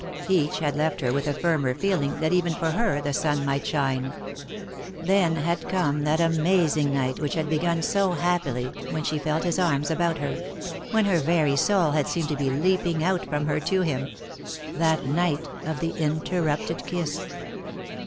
Each had left her with a firmer feeling that even for her the sun might shine. Then had come that amazing night, which had begun so happily, when she had felt his arms about her; when her very soul had seemed to be leaping out from her to him ; that night of the interrupted kiss.